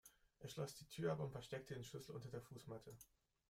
Er schloss die Tür ab und versteckte den Schlüssel unter der Fußmatte.